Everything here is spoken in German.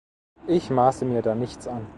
Ich maße mir da nichts an.